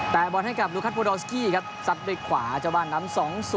แต่บอลให้กับลูคัทบูดอลสกี้ครับซัดด้วยขวาเจ้าบ้านนำ๒๐